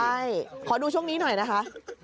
ใช่ขอดูช่วงนี้หน่อยนะคะ